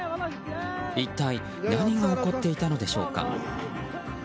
一体何が起こっていたのでしょうか。